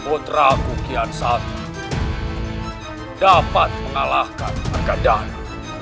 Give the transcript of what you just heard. putra kukian satu dapat mengalahkan agadana